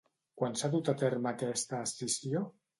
Quan s'ha dut a terme aquesta escissió?